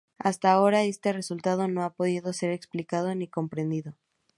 Hasta ahora, este resultado no ha podido ser explicado ni comprendido.